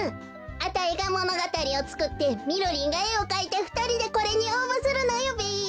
あたいがものがたりをつくってみろりんがえをかいてふたりでこれにおうぼするのよべ。